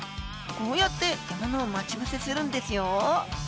こうやって獲物を待ち伏せするんですよ。